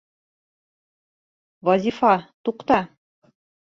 Вазифа, туҡта!